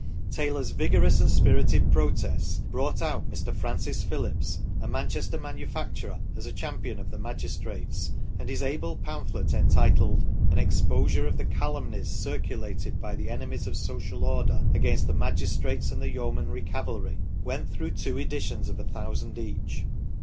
Taylor's vigorous and spirited protests brought out Mr. Francis Phillips, a Manchester manufacturer, as champion of the magistrates, and his able pamphlet entitled " An Exposure of the Calumnies Cir culated by the Enemies of Social Order against the Magistrates and the Yeomanry Cavalry," went through two editions of a thousand 8 THE STORY OF PETERLOO each.